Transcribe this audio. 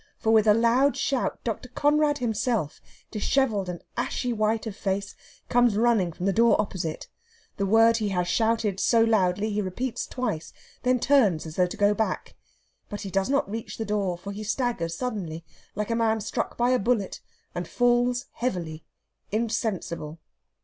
For with a loud shout Dr. Conrad himself, dishevelled and ashy white of face, comes running from the door opposite. The word he has shouted so loudly he repeats twice; then turns as though to go back. But he does not reach the door, for he staggers suddenly, like a man struck by a bullet, and falls heavily, insensible.